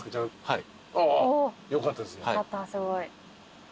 はい。